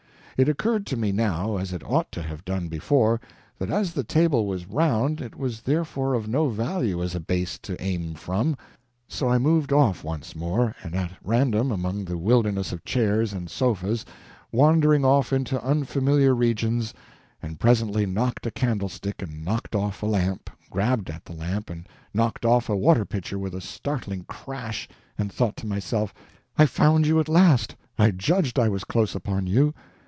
It occurred to me, now, as it ought to have done before, that as the table was round, it was therefore of no value as a base to aim from; so I moved off once more, and at random among the wilderness of chairs and sofas wandering off into unfamiliar regions, and presently knocked a candlestick and knocked off a lamp, grabbed at the lamp and knocked off a water pitcher with a rattling crash, and thought to myself, "I've found you at last I judged I was close upon you."